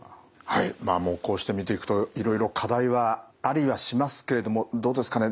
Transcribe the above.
こうして見ていくといろいろ課題はありはしますけれどもどうですかね